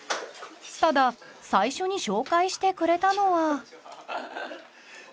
ただ最初に紹介してくれたのは。